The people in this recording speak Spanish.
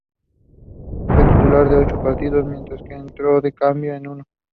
Fue titular en ocho partidos mientras que entró de cambio en uno.